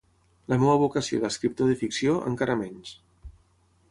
La meva vocació d'escriptor de ficció, encara menys.